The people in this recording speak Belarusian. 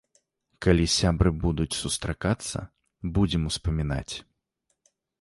Калі сябры будуць сустракацца, будзем успамінаць.